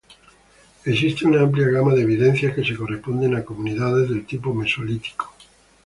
Existe una amplia gama de evidencias que se corresponden a comunidades del tipo Mesolítico.